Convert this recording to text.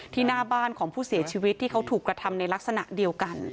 หน้าบ้านของผู้เสียชีวิตที่เขาถูกกระทำในลักษณะเดียวกัน